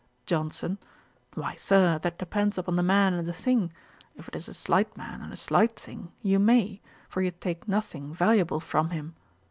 JOHNSON. 'Why, Sir, that depends upon the man and the thing. If it is a slight man, and a slight thing, you may; for you take nothing valuable from him.'